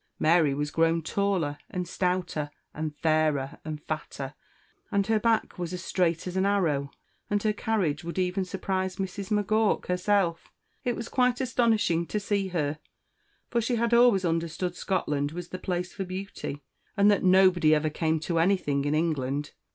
Mary was grown taller, and stouter, and fairer and fatter, and her back was a straight as an arrow, and her carriage would even surprise Miss M'Gowk herself. It was quite astonishing to see her, for she had always understood Scotland was the place for beauty, and that nobody ever came to anything in England.